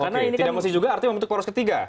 tidak mesti juga artinya untuk poros ketiga